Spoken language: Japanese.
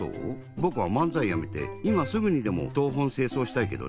ぼくは漫才やめていますぐにでも東奔西走したいけどね。